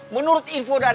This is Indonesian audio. menurut info dari ian